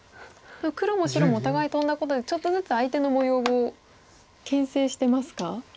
黒も白もお互いトンだことでちょっとずつ相手の模様をけん制してますか？